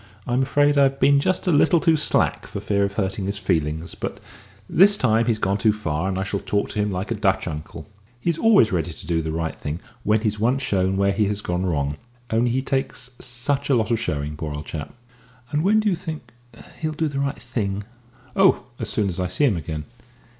I'm afraid I've been just a little too slack for fear of hurting his feelings; but this time he's gone too far, and I shall talk to him like a Dutch uncle. He's always ready to do the right thing when he's once shown where he has gone wrong only he takes such a lot of showing, poor old chap!" "But when do you think he'll do the right thing?" "Oh, as soon as I see him again."